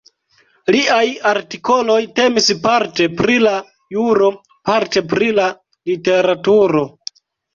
Liaj artikoloj temis parte pri la juro, parte pri la literaturo.